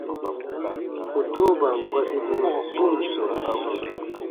Fotoban gɔsibu bu ǹ sɔmburu.